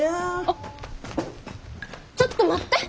あっちょっと待って。